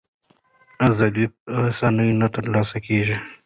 ازادي په آسانۍ نه ترلاسه کېږي.